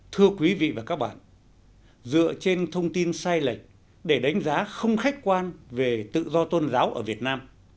thưa quý vị và các bạn dựa trên thông tin sai lệch để đánh giá không khách quan về tự do tôn giáo ở việt nam